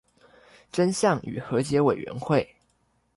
真相與和解委員會